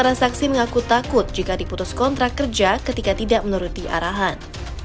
para saksi mengaku takut jika diputus kontrak kerja ketika tidak menuruti arahan